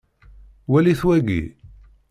Walit wagi.